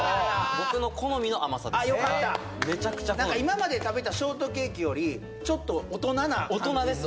僕のよかった今まで食べたショートケーキよりちょっと大人な感じでしょ？